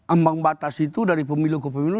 ambang batas itu dari pemilu ke pemilu